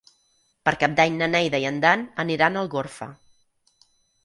Per Cap d'Any na Neida i en Dan aniran a Algorfa.